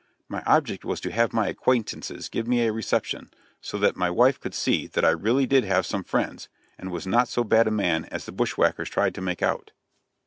My object was to have my acquaintances give me a reception, so that my wife could see that I really did have some friends, and was not so bad a man as the bushwhackers tried to make out.